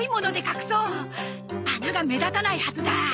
穴が目立たないはずだ。